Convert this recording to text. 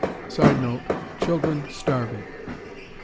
[Sidenote: Children starving.